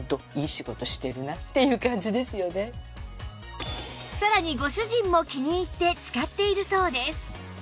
さらにご主人も気に入って使っているそうです